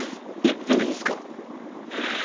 １分でいいんすか？